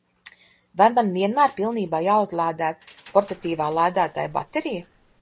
Vai man vienmēr pilnībā jāuzlādē portatīvā lādētāja baterija?